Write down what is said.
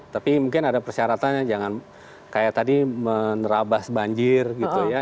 tapi mungkin ada persyaratannya jangan kayak tadi menerabas banjir gitu ya